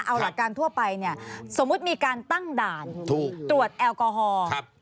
เอาหลักการทั่วไปเนี่ยสมมุติมีการตั้งด่านตรวจแอลกอฮอล์